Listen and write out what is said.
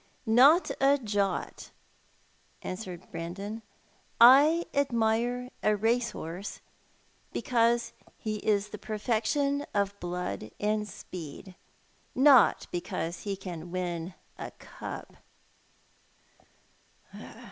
"Not a jot," answered Brandon. "I admire a race horse because he is the perfection of blood and speed, not because he can win a cup."